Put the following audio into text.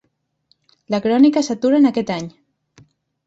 La crònica s'atura en aquest any.